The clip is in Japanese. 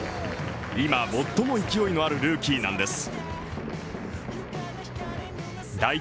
今最も勢いのあるルーキーなんです。